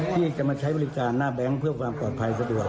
ที่จะมาใช้บริการหน้าแบงค์เพื่อความปลอดภัยสะดวก